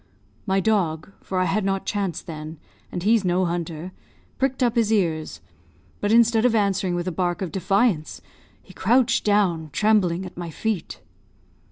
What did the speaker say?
My dog, for I had not Chance then, and he's no hunter, pricked up his ears, but instead of answering with a bark of defiance, he crouched down, trembling, at my feet.